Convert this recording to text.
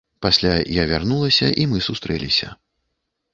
Пасля я вярнулася і мы сустрэліся.